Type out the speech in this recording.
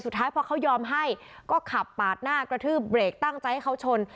สุดท้ายพอเขายอมให้ก็ขับปาดหน้ากระทืบเบรกตั้งใจให้เขาชน